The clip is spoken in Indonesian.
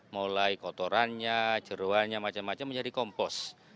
mulai kotorannya jeruannya macam macam menjadi kompos